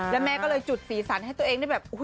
แล้วแม่ก็เลยจุดสีสันให้ตัวเองได้แบบ